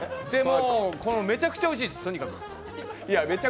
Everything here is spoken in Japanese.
めちゃくちゃおいしいです、とにかく。